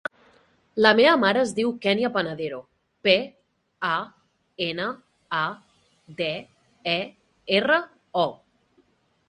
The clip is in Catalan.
La meva mare es diu Kènia Panadero: pe, a, ena, a, de, e, erra, o.